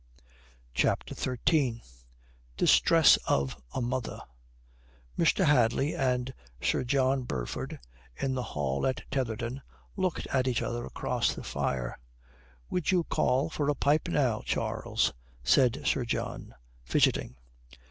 CHAPTER XIII DISTRESS OF A MOTHER Mr. Hadley and Sir John Burford in the hall at Tetherdown looked at each other across the fire. "Would you call for a pipe now, Charles?" says Sir John, fidgeting.